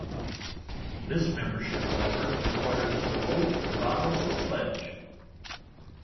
This membership, however, requires no oath, vow, or pledge.